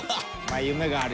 夢があるよね。